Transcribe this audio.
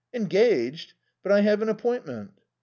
"Engaged? But I have an appointment."